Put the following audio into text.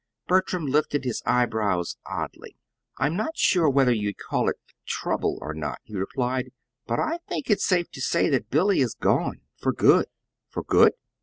Bertram lifted his eyebrows oddly. "I'm not sure whether you'll call it 'trouble' or not," he replied; "but I think it's safe to say that Billy is gone for good." "For good!